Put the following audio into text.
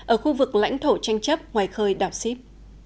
ở khu vực lãnh thổ tranh chấp ngoài khơi đảo sip